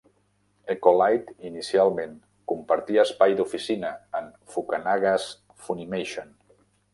EchoLight inicialment compartia espai d'oficina amb Fukunaga's Funimation.